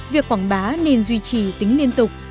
việc quảng bá nên duy trì tính liên tục